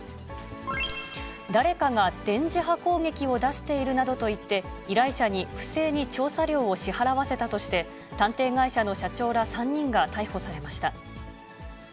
誰かが電磁波攻撃を出しているなどと言って、依頼者に不正に調査料を支払わせたとして、探偵会社の社長ら、３人が逮捕されました。